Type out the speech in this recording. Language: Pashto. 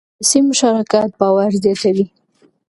سیاسي مشارکت باور زیاتوي